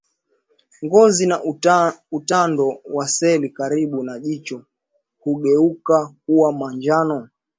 Ngozi na utando wa seli karibu na jicho hugeuka kuwa manjano